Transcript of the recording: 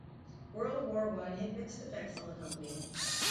World War One had mixed effects on the company.